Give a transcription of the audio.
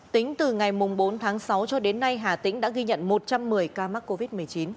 tính từ ngày bốn tháng sáu cho đến nay hà tĩnh đã ghi nhận một trăm một mươi ca mắc covid một mươi chín